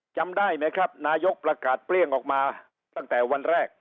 จำได้ไหมครับนายกประกาศเปรี้ยงออกมาตั้งแต่วันแรก